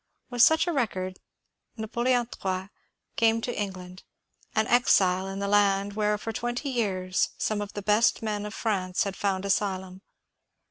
With such a record Napoleon III came to England, an exile in the land where for twenty years some of the best men of France had found asylum.